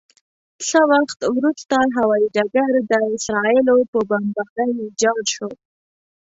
څه وخت وروسته هوايي ډګر د اسرائیلو په بمبارۍ ویجاړ شو.